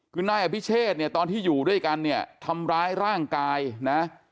คือนายอภิเชษเนี่ยตอนที่อยู่ด้วยกันเนี่ยทำร้ายร่างกายนะ